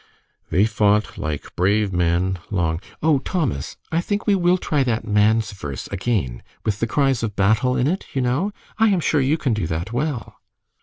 "They fought like brave men, long " "Oh, Thomas, I think we will try that man's verse again, with the cries of battle in it, you know. I am sure you can do that well."